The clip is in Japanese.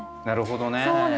なるほどね。